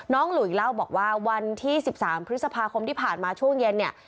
หลุยเล่าบอกว่าวันที่๑๓พฤษภาคมที่ผ่านมาช่วงเย็นเนี่ย